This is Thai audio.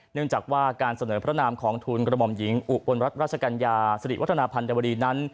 เนื่องจากว่าการเสนอพระนามของทูลกระหม่อมหญิงอุบลรัฐราชกัญญาสิริวัฒนาพันธวดีนั้น